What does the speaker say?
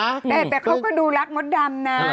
แต่เขาก็ดูรักมดดำนะ